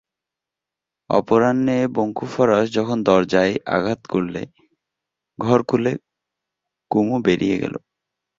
অপরাহ্নে বঙ্কু ফরাশ যখন দরজায় আঘাত করলে, ঘর খুলে কুমু বেরিয়ে গেল।